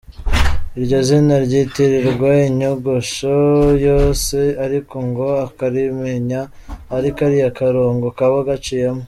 Iryo zina ryitirirwa inyogosho yose ariko ngo “Akalimpinya” ni kariya karongo kaba gaciyemo.